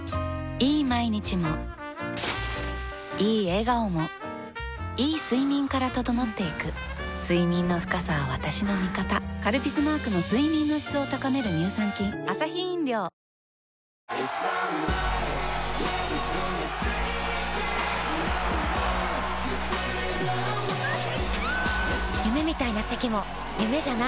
いい毎日もいい笑顔もいい睡眠から整っていく睡眠の深さは私の味方「カルピス」マークの睡眠の質を高める乳酸菌トランシーノはさらなる高みへ